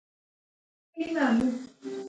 ازادي راډیو د کډوال لپاره د خلکو غوښتنې وړاندې کړي.